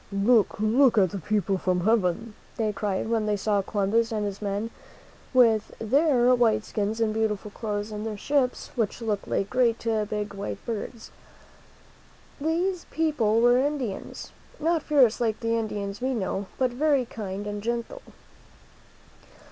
"Look! Look at the people from heaven!" they cried, when they saw Columbus and his men, with their white skins and beautiful clothes, and their ships, which looked like big white birds. These people were Indians — not fierce like the Indians we know, but very kind and gentle.